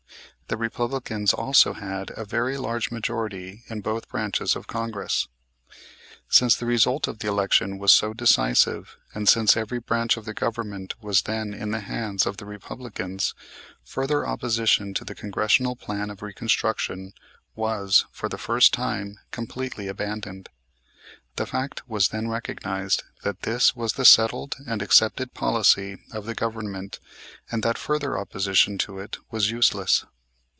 The Republicans also had a very large majority in both branches of Congress. Since the result of the election was so decisive, and since every branch of the government was then in the hands of the Republicans, further opposition to the Congressional Plan of Reconstruction was for the first time completely abandoned. The fact was then recognized that this was the settled and accepted policy of the Government and that further opposition to it was useless.